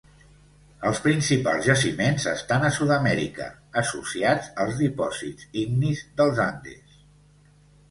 Els principals jaciments estan a Sud-amèrica, associats als dipòsits ignis dels Andes.